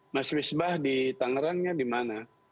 mas wisbah di tangerangnya di mana